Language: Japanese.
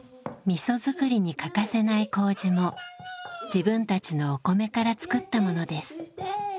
みそ作りに欠かせない麹も自分たちのお米から作ったものです。